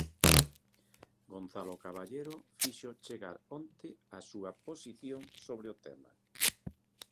Gonzalo Caballero fixo chegar onte a súa posición sobre o tema.